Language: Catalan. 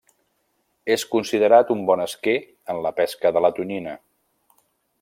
És considerat un bon esquer en la pesca de la tonyina.